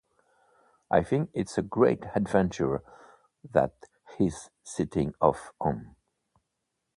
I think it's a great adventure that he's setting off on.